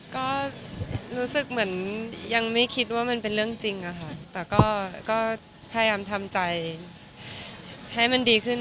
ก็รู้สึกเหมือนยังไม่คิดว่ามันเป็นเรื่องจริงอะค่ะแต่ก็พยายามทำใจให้มันดีขึ้น